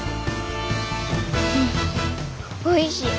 おいしい。